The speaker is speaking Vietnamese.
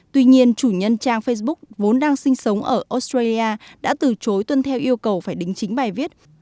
tuy nhiên chủ nhân trang facebook vốn đang sinh sống ở australia đã từ chối tuân theo yêu cầu phải đính chính bài viết